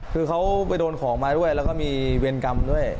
คือเขาไปโดนของมาด้วยแล้วก็มีเวรกรรมด้วย